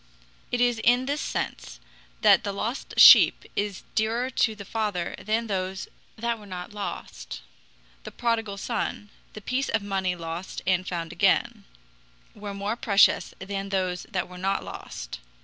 It is in this sense that the lost sheep is dearer to the Father than those that were not lost. The prodigal son, the piece of money lost and found again, were more precious than those that were not lost.